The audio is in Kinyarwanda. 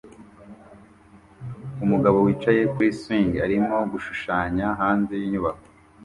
Umugabo wicaye kuri swing arimo gushushanya hanze yinyubako